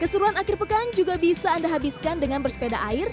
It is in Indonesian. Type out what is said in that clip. keseruan akhir pekan juga bisa anda habiskan dengan bersepeda air